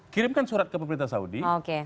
kirimkan surat ke pemerintah saudi